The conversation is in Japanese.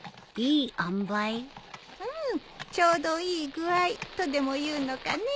ちょうどいい具合とでもいうのかね。